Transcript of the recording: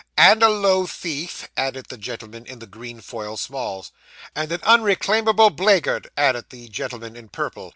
'And a low thief,' added the gentleman in the green foil smalls. 'And an unreclaimable blaygaird,' added the gentleman in purple.